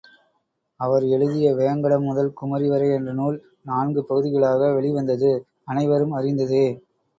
அவர் எழுதிய வேங்கடம் முதல் குமரி வரை என்ற நூல் நான்கு பகுதிகளாக வெளிவந்தது அனைவரும் அறிந்ததே.